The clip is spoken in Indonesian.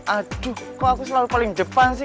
aduh kok aku selalu paling depan sih